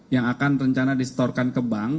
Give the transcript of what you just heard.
yang akan rencana distorkan ke bank